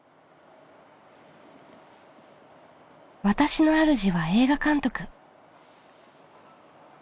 私のあるじは映画監督。